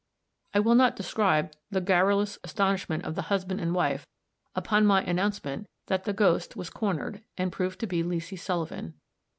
I will not describe the garrulous astonishment of the husband and wife upon my announcement that the ghost was cornered, and proved to be Leesy Sullivan.